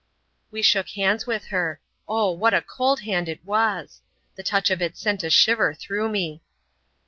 We shook hands with her. Oh, what a cold hand it was! The touch of it sent a shiver through me!